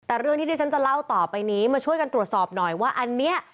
แต่เรื่องที่ที่ฉันจะเล่าต่อไปนี้มาช่วยกันตรวจสอบหน่อยว่าอันนี้